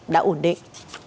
đã ổn định